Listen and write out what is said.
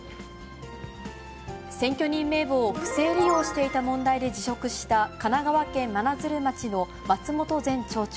選挙人名簿を不正利用していた問題で辞職した神奈川県真鶴町の松本前町長。